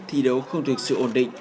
thi đấu không thực sự ổn định